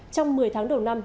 trong một mươi tháng đầu năm